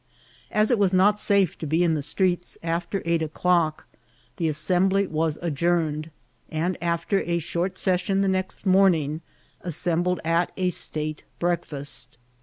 As it was not safe to be in the streets after eight o'clock, the Assembly was adjourned, and, after a short session the next morning, assembled at a state break* &8t.